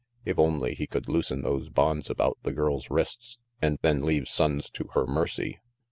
If only he could loosen those bonds about the girl's wrists, and then leave Sonnes to her mercy.